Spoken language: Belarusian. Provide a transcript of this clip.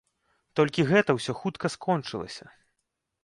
Толькі гэта ўсё хутка скончылася.